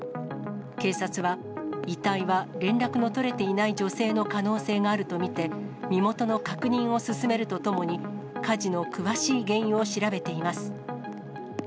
警察は、遺体は連絡の取れていない女性の可能性があると見て、身元の確認を進めるとともに、火事の詳しい原因を調べています。